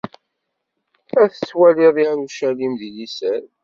Ad tettwaliḍ Yarucalim di liser.